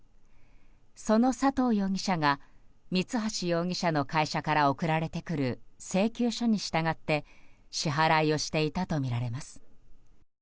その佐藤容疑者が、三橋容疑者の会社から送られてくる請求書に従って支払いをしていたとみられます。